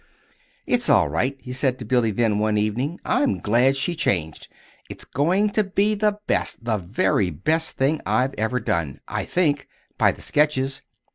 "It's all right," he said to Billy then, one evening. "I'm glad she changed. It's going to be the best, the very best thing I've ever done I think! by the sketches."